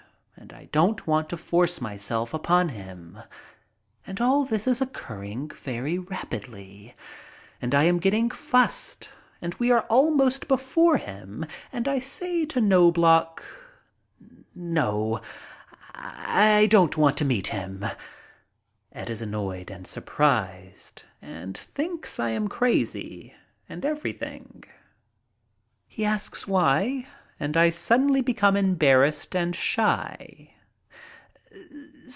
And I don't want to force myself upon hin;. And all this is occurring very rapidly, and I am getting fussed, and we are almost before him, and I say to Knob loch, "No, I don't want to meet him." Ed is annoyed and surprised and thinks I am crazy and everything. He asks why, and I suddenly become embar rassed and shy.